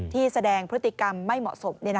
แสดงพฤติกรรมไม่เหมาะสม